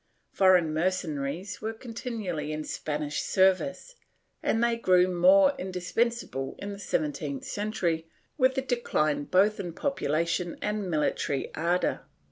Foreign mercenaries were continually in Spanish service, and they grew more indispensable in the seven teenth century with the decline both in population and military ardor.